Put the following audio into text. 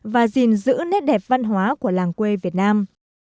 và gìn giữ nét đẹp văn hóa của làng quê việt nam